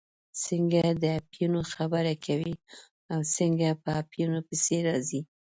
څنګه د اپینو خبره کوئ او څنګه په اپینو پسې راځئ.